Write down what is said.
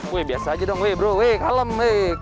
wih biasa aja dong bro kalem